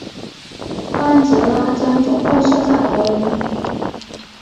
班杰拉将总部设在柏林。